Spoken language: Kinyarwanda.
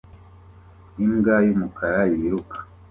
Imbwa y'umukara yiruka